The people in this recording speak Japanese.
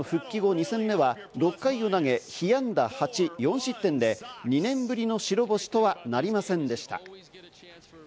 ２戦目は６回を投げ、被安打８、４失点で２年ぶりの白星とはなりませんでした。